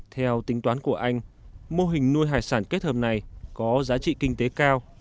theo tính toán của anh mô hình nuôi hải sản kết hợp này có giá trị kinh tế cao